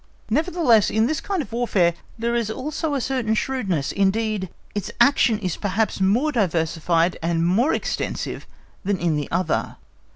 Nevertheless in this kind of Warfare, there is also a certain shrewdness, indeed, its action is perhaps more diversified, and more extensive than in the other.